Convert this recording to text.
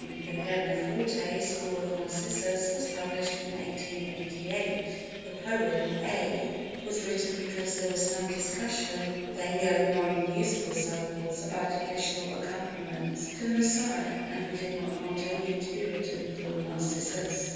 The pianoforte score of Narcissus was published in 1888. The poem (A) was written because there was some discussion then going on in musical circles about additional accompaniments to the Messiah and we did not want any to be written for Narcissus.